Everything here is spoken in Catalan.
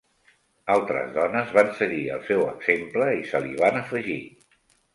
Altres dones van seguir el seu exemple i se li van afegir.